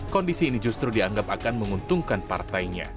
kondisi ini justru dianggap akan menguntungkan partainya